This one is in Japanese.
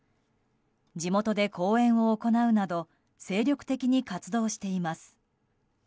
地元で講演を行うなど精力的に活動しています。